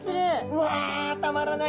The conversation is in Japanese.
うわたまらない！